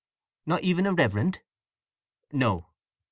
"Not even a reverend?" "No."